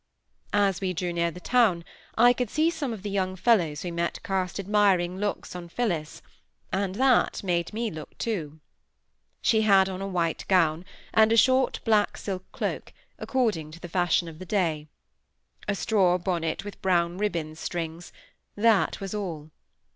As we drew near the town, I could see some of the young fellows we met cast admiring looks on Phillis; and that made me look too. She had on a white gown, and a short black silk cloak, according to the fashion of the day. A straw bonnet with brown ribbon strings; that was all.